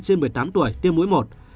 trên một mươi tám tuổi tiêm mũi một